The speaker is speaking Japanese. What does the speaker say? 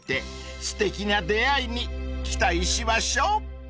［すてきな出合いに期待しましょう］